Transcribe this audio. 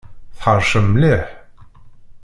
Tḥeṛcem mliḥ!